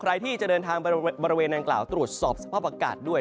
ใครที่จะเดินทางไปบริเวณนางกล่าวตรวจสอบสภาพอากาศด้วย